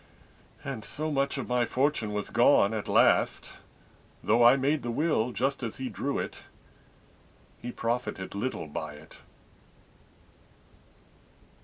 And so much of my fortune was gone at last, Though I made the will just as he drew it, He profited little by it.